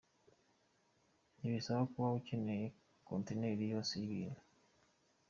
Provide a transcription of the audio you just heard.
Ntibisaba kuba ukeneye kontineri yose y’ ibintu.